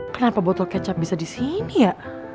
kenapa botol kecap bisa disini ya